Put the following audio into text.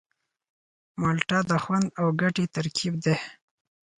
مالټه د خوند او ګټې ترکیب دی.